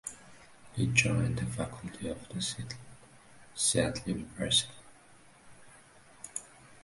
He joined the faculty of the Seattle University.